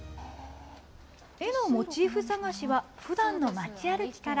絵のモチーフ探しはふだんの町歩きから。